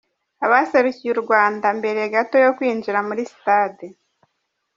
Abaserukiye u Rwanda mbere gato yo kwinjira muri stade.